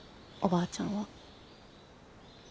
おばあちゃんは。